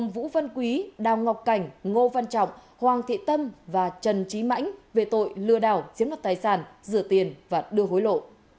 vũ văn quý đào ngọc cảnh ngô văn trọng hoàng thị tâm và trần trí mãnh về tội lừa đảo chiếm đoạt tài sản rửa tiền và đưa hối lộ